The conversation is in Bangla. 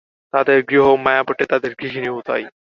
তাদের গৃহও মায়া বটে, তাদের গৃহিণীও তাই।